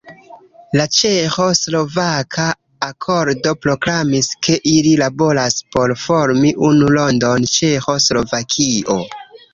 La Ĉeĥo-Slovaka akordo, proklamis ke ili laboras por formi unu landon: “Ĉeĥo-Slovakio”.